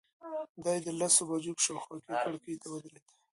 دی د لسو بجو په شاوخوا کې کړکۍ ته ودرېد.